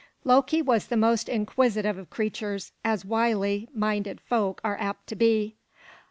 Loki was the most inquisitive of creatures, as wily minded folk are apt to be.